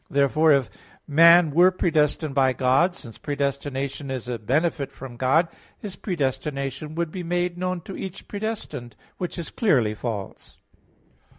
Therefore if man were predestined by God, since predestination is a benefit from God, his predestination would be made known to each predestined; which is clearly false.